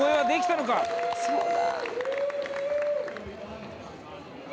そうだ。